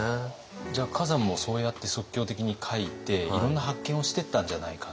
じゃあ崋山もそうやって即興的に描いていろんな発見をしてったんじゃないか。